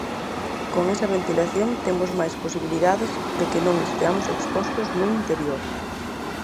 Con esa ventilación temos máis posibilidades de que non esteamos expostos nun interior.